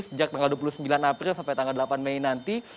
sejak tanggal dua puluh sembilan april sampai tanggal delapan mei nanti